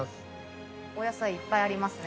お野菜いっぱいありますね。